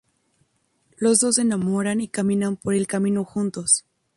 Los dos se enamoran y caminan por el camino juntos.